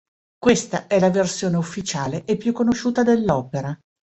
Questa è la versione "ufficiale" e più conosciuta dell'opera.